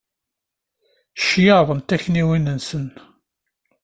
Ccyaḍ n tektiwin-nsen.